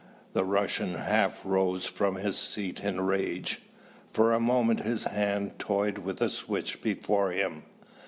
The Russian half rose from his seat in rage. For a moment his hand toyed with a switch before him.